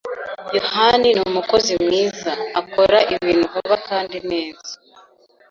yohani numukozi mwiza. Akora ibintu vuba kandi neza.